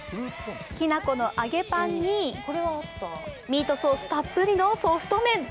きな粉の揚げパンに、ミートソースたっぷりのソフト麺。